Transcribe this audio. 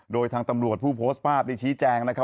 โดยทางตำรวจผู้โพสต์ภาพได้ชี้แจงนะครับ